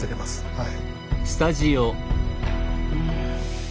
はい。